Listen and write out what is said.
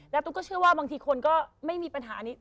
แล้วตุ๊กก็เชื่อว่าบางทีคนก็ไม่มีปัญหานี้